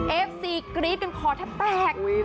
เอฟซีกรี๊ดกันคอแทบแตก